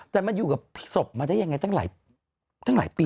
แต่มันอยู่กับศพมาได้ยังไงตั้งหลายปี